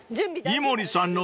井森さんの？